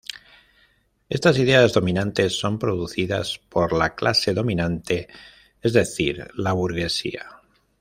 Estas ideas dominantes son producidas por la clase dominante, es decir, la burguesía.